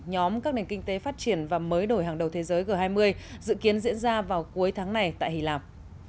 nhóm các nền kinh tế phát triển và mới đổi hàng đầu thế giới g hai mươi dự kiến diễn ra vào cuối tháng này tại hy lạp